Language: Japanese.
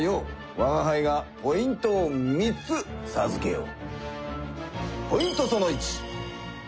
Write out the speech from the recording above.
わがはいがポイントを３つさずけよう。